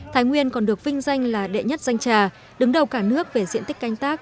thái nguyên còn được vinh danh là đệ nhất danh trà đứng đầu cả nước về diện tích canh tác